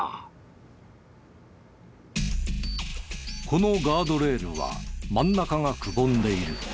このガードレールは真ん中がくぼんでいる。